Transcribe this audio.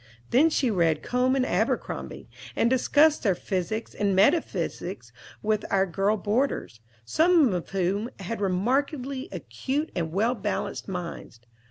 Then she read Combe and Abercrombie, and discussed their physics and metaphysics with our girl boarders, some of whom had remarkably acute and well balanced minds.